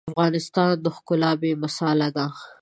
د افغانستان ښکلا بې مثاله ده.